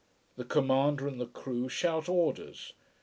The commander and the crew shout orders.